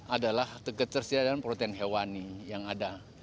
adalah ketersediaan protein hewani yang ada